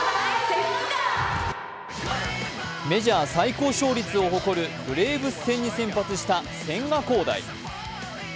メジャー最高勝率を誇るブレーブス戦に先発した千賀滉大。